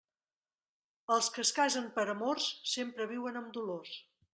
Els que es casen per amors, sempre viuen amb dolors.